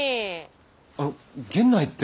あの源内って。